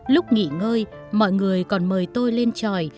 lúc nghỉ ngơi mọi người còn mời tôi lên tròi